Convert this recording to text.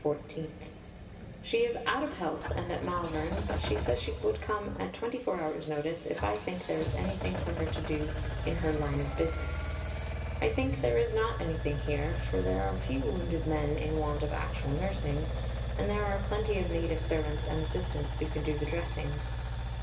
14); "she is out of health and at Malvern, but says she would come at twenty four hours' notice if I think there is anything for her to do in her 'line of business.' I think there is not anything here, for there are few wounded men in want of actual nursing, and there are plenty of native servants and assistants who can do the dressings.